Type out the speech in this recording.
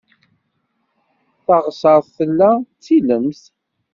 Taɣsert tella d tilemt.